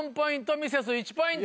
ミセス１ポイント。